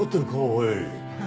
おい。